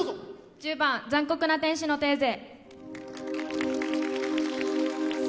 １０番「残酷な天使のテーゼ」。